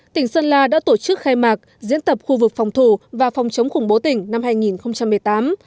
tỉnh sơn la đã tổ chức khai mạc diễn tập khu vực phòng thủ và phòng chống khủng bố tỉnh năm hai nghìn một mươi tám